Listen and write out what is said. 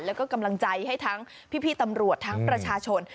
แล้วก็กำลังใจให้ทั้งพี่ตำรวจทั้งประชาชน